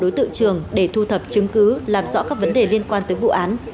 đối tượng trường để thu thập chứng cứ làm rõ các vấn đề liên quan tới vụ án